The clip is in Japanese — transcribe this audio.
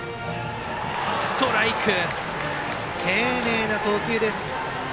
ストライク丁寧な投球です。